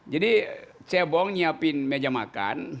jadi cebong nyiapin meja makan